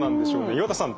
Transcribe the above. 岩田さん